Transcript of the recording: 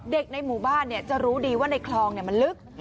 ในหมู่บ้านจะรู้ดีว่าในคลองมันลึก